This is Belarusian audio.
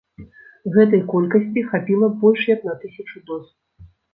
Гэтай колькасці хапіла б больш як на тысячу доз.